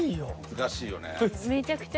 難しいよね。